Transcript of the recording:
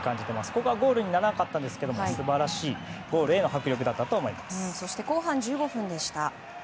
ここはゴールにならなかったんですが素晴らしいゴールへの後半１５分でした。